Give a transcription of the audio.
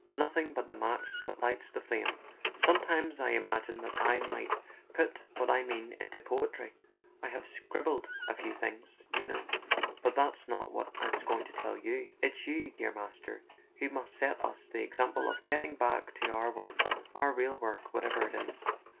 "Nothing but the match that lights the flame! Sometimes I imagine that I might put what I mean into poetry ... I have scribbled a few things, you know ... but that's not what I was going to tell you. It's you, dear Master, who must set us the example of getting back to our work, our real work, whatever it is.